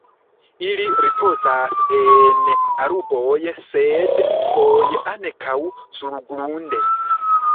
Ili ripozas en arboj sed foje ankaŭ surgrunde.